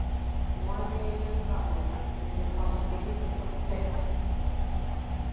One major problem is the possibility of theft.